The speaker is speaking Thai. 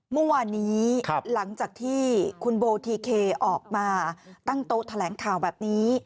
เมื่อวานี้ขับหลังจากที่คุณโบอ้อมมาตั้งโต้แถลงข่าวแบบนี้